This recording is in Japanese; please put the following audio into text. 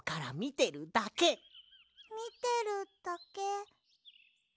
みてるだけ。